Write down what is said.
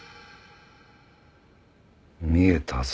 見えたぞ。